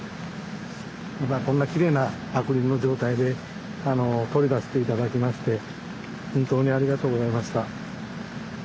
こんなきれいなアクリルの状態で取り出して頂きまして本当にありがとうございました。